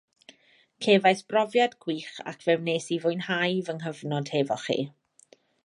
Cefais brofiad gwych ac fe wnes i fwynhau fy nghyfnod hefo chi